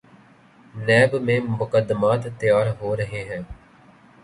NAB میں مقدمات تیار ہو رہے ہیں۔